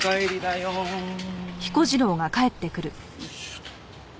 よいしょと。